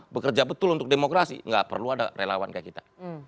bekerja betul untuk demokrasi gak perlu ada relawan kayak kita